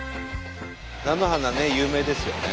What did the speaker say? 菜の花ね有名ですよね。